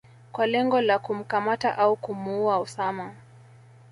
kwa lengo la kumkamata au kumuua Osama